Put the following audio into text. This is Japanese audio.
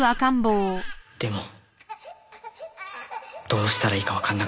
でもどうしたらいいかわかんなくて。